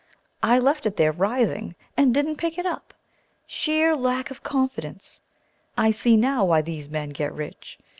I left it there writhing, and didn't pick it up. Sheer lack of confidence! I see now why these men get rich.